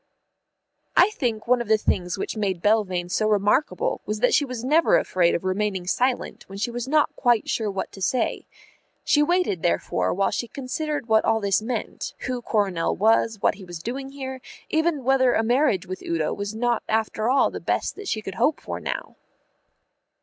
I think one of the things which made Belvane so remarkable was that she was never afraid of remaining silent when she was not quite sure what to say. She waited therefore while she considered what all this meant; who Coronel was, what he was doing there, even whether a marriage with Udo was not after all the best that she could hope for now.